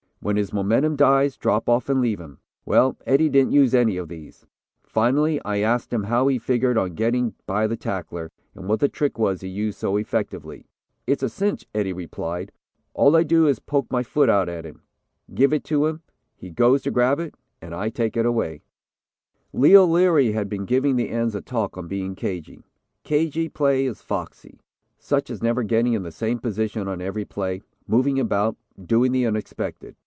When his momentum dies, drop off and leave him. Well, Eddie didn't use any of these. Finally I asked him how he figured on getting by the tackler, and what the trick was he used so effectively. "'It's a cinch,' Eddie replied. 'All I do is poke my foot out at him, give it to him; he goes to grab it, and I take it away!' [Illustration: TWO TO ONE HE GETS AWAY Brickley Being Tackled by Wilson and Avery.] "Leo Leary had been giving the ends a talk on being 'cagey.' 'Cagey' play is foxy such as never getting in the same position on every play, moving about, doing the unexpected.